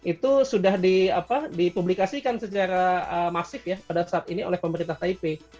itu sudah dipublikasikan secara masif ya pada saat ini oleh pemerintah taipei